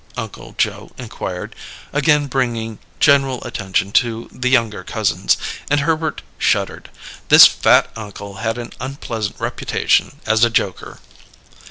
Uncle Joe inquired, again bringing general attention to the young cousins; and Herbert shuddered. This fat uncle had an unpleasant reputation as a joker.